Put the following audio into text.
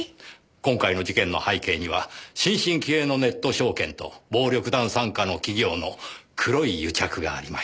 今回の事件の背景には新進気鋭のネット証券と暴力団傘下の企業の黒い癒着がありました。